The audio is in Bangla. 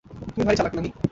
তুমি ভারি চালাক নানি!